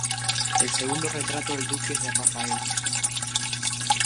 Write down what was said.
El segundo retrato del Duque es de Rafael.